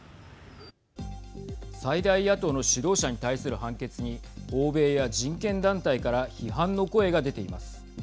最大野党の指導者に対する判決に欧米や人権団体から批判の声が出ています。